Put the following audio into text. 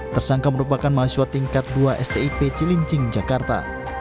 tersangka merupakan mahasiswa tingkat dua stip cilincing jakarta